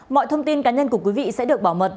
mọi thông tin cá nhân của quý vị sẽ được bảo mật